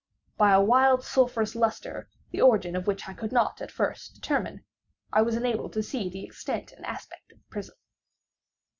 By a wild sulphurous lustre, the origin of which I could not at first determine, I was enabled to see the extent and aspect of the prison.